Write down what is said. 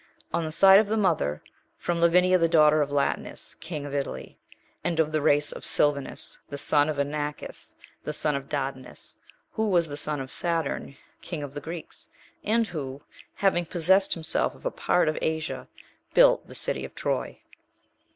On the side of the mother, from Lavinia, the daughter of Latinus, king of Italy, and of the race of Silvanus, the son of Inachus, the son of Dardanus; who was the son of Saturn, king of the Greeks, and who, having possessed himself of a part of Asia, built the city of Troy.